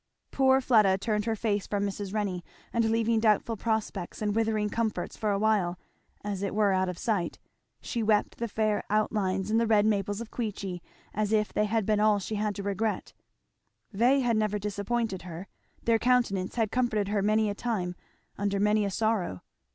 Poor Fleda turned her face from Mrs. Renney, and leaving doubtful prospects and withering comforts for a while as it were out of sight, she wept the fair outlines and the red maples of Queechy as if they had been all she had to regret. They had never disappointed her. Their countenance had comforted her many a time, under many a sorrow.